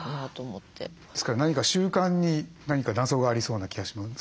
ですから何か習慣に何か謎がありそうな気がするんです。